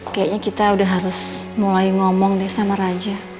kayaknya kita udah harus mulai ngomong deh sama raja